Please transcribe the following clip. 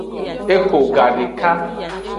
Eho gadeka.